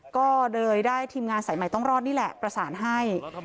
ก็เลยได้ทีมงานสายใหม่ต้องรอดนี่แหละประสานให้